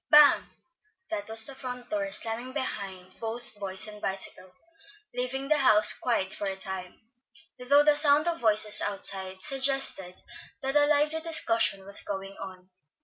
Bang! that was the front door slamming behind both boys and bicycle, leaving the house quiet for a time, though the sound of voices outside suggested that a lively discussion was going on.